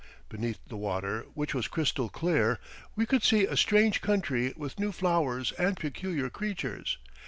Beneath the water, which was crystal clear, we could see a strange country with new flowers and peculiar creatures.